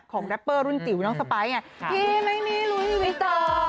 ของแร็ปเปอร์รุ่นติ๋วน้องสไป๊ก์